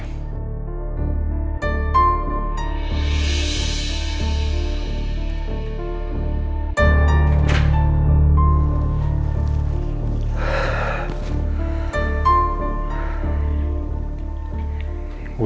terima kasih om